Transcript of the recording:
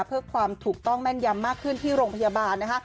เพื่อความถูกต้องแม่นยำมากขึ้นที่โรงพยาบาลนะคะ